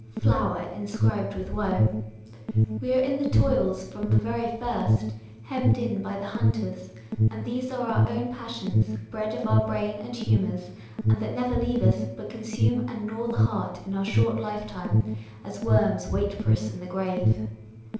flower inscribed with woe :" we are in the toils from the very first, hemmed in by the hunters ; and these are our own passions, bred of our brain and humours, and that never leave us, but consume and gnaw the heart in our short lifetime, as worms wait for us in the grave